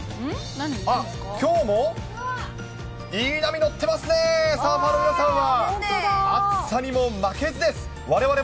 あっ、きょうもいい波、乗ってますね、サーファーの皆さんは。